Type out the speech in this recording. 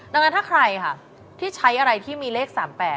ดังนั้นถ้าใครค่ะที่ใช้อะไรที่มีเลข๓๘